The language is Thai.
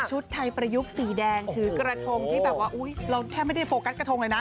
ชุดไทยประยุกต์สีแดงถือกระทงที่แบบว่าเราแทบไม่ได้โฟกัสกระทงเลยนะ